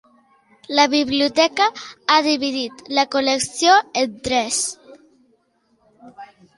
La biblioteca ha dividit la col·lecció en tres.